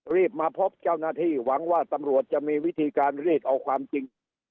รีบมาพบเจ้าหน้าที่หวังว่าตำรวจจะมีวิธีการรีดเอาความจริง